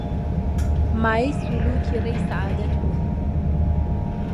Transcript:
مایەی سولووکی ڕێی سەعادەت بوون